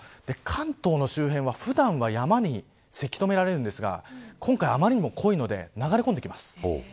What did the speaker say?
関東の周辺は普段は山にせき止められるんですが今回、余りにも濃いので流れ込んできます。